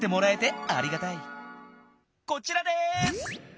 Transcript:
こちらです。